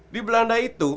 di belanda itu